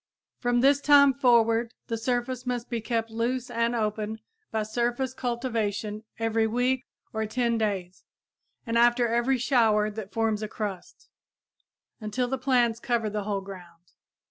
From this time forward the surface must be kept loose and open by surface cultivation every week or 10 days and after every shower that forms a crust, until the plants cover the whole ground.